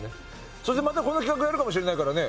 それでまたこの企画やるかもしれないからね。